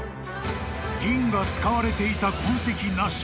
［銀が使われていた痕跡なし。